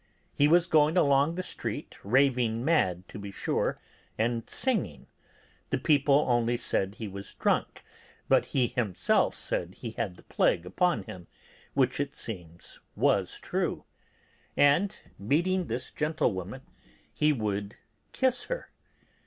He was going along the street, raving mad to be sure, and singing; the people only said he was drunk, but he himself said he had the plague upon him, which it seems was true; and meeting this gentlewoman, he would kiss her.